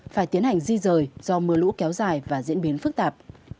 phải tiến hành di rời do mưa lũ kéo dài và diễn biến phức tạp